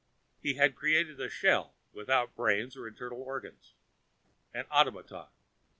He had created a shell without brains or internal organs, an automaton.